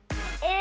え。